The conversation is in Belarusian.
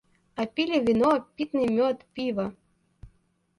А пілі віно, пітны мёд, піва.